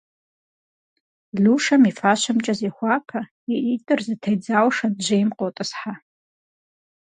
Лушэм и фащэмкӏэ зехуапэ, и ӏитӏыр зэтедзауэ шэнтжьейм къотӏысхьэ.